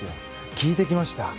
聞いてきました。